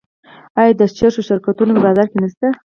آیا د چرسو شرکتونه په بازار کې نشته؟